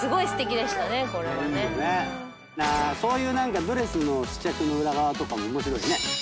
そういうドレスの試着の裏側とかも面白いね。